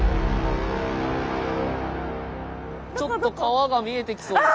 ちょっと川が見えてきそうですよ。